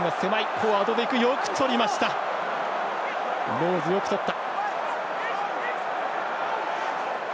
ローズ、よくとった。